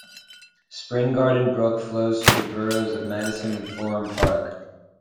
Spring Garden Brook flows through the boroughs of Madison and Florham Park.